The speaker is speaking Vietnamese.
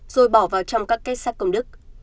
rồi bỏ vào trong các cái xác công đức